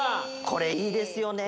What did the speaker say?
これいいですよね！